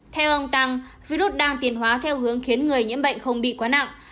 theo ông tăng virus đang tiền hóa theo hướng khiến người nhiễm bệnh không bị quá nặng